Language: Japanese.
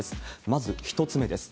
まず１つ目です。